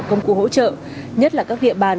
công cụ hỗ trợ nhất là các địa bàn